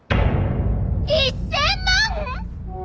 １０００万！？